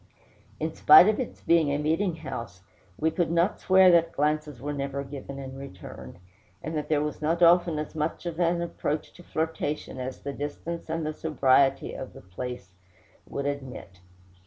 In spite of its being a meeting house, we could not swear that glances were never given and returned, and that there was not often as much of an approach to flirtation as the distance and the sobriety of the place would admit.